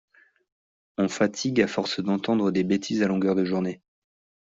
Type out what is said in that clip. On fatigue à force d’entendre des bêtises à longueur de journée.